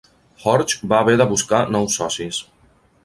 Horch va haver de buscar nous socis.